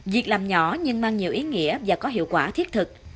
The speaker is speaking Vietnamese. việc làm nhỏ nhưng mang nhiều ý nghĩa và có hiệu quả thiết thực